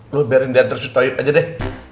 lu biarin dia tersutau yuk aja deh